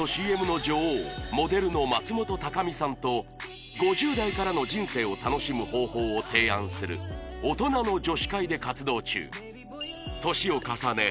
ＣＭの女王モデルの松本孝美さんと５０代からの人生を楽しむ方法を提案する大人の女史会で活動中年を重ね